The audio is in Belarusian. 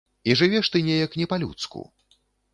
І жывеш ты неяк не па-людску.